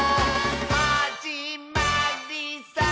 「はじまりさー」